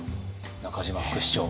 中島副市長。